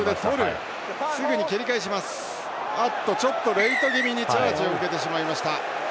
レイト気味にチャージを受けてしまいました。